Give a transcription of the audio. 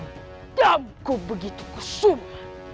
denamku begitu kusuma